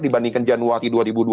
dibandingkan januari dua ribu dua puluh